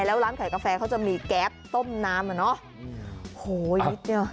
แล้วร้านขายกาแฟเขาจะมีแก๊สต้มน้ำอ่ะเนอะโหนิดเดียว